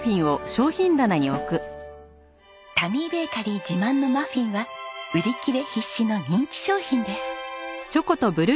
タミーベーカリー自慢のマフィンは売り切れ必至の人気商品です。